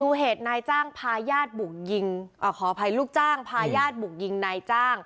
เหตุนายจ้างพาญาติบุกยิงขออภัยลูกจ้างพาญาติบุกยิงนายจ้าง